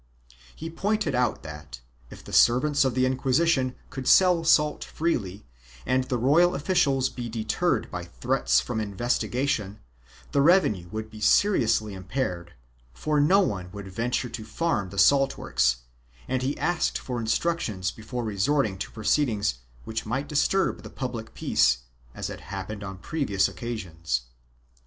He pointed out that, if the servants of the Inquisition could sell salt freely and the royal officials be deterred by threats from investigation, the revenue would be seriously impaired, for no one would venture to farm the salt works, and he asked for instructions before resorting to pro ceedings which might disturb the public peace, as had happened on previous occasions.